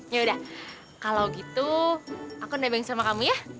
yaudah kalau gitu aku nebeng sama kamu ya